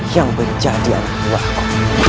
yang menjadi anak buahku